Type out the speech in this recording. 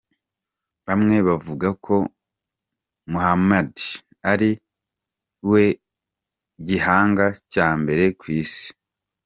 Bamwe bavuga ko Muhammed Ali ari we gihanga cya mbere kw'isi.